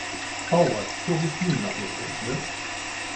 Howard zog es nie nach Los Angeles.